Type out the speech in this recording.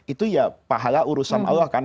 itu ya pahala urusan allah kan